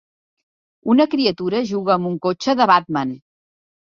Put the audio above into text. Una criatura juga amb un cotxe de Batman.